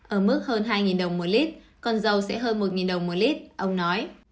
ở mức hơn hai đồng một lít còn dầu sẽ hơn một đồng một lít ông nói